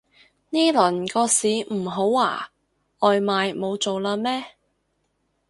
呢輪個市唔好啊？外賣冇做喇咩